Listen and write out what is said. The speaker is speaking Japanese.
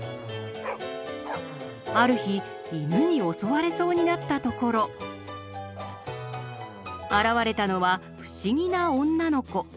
ある日犬に襲われそうになったところ現れたのは不思議な女の子。